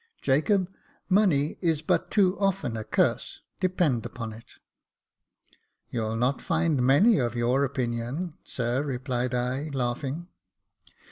Jacob, money is but too often a curse, depend upon it." You'll not find many of your opinion, sir," replied I, laughing.